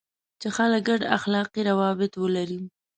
چې خلک ګډ اخلاقي روابط ولري.